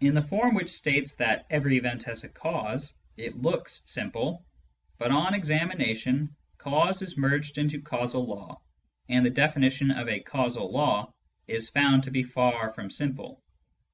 In the form which states that " every event has a cause " it looks simple ; but on examination, " cause " is merged in " causal law," and the definition of a " causal law " is found to be far from simple.